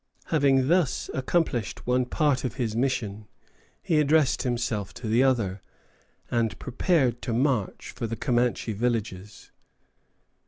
Having thus accomplished one part of his mission, he addressed himself to the other, and prepared to march for the Comanche villages.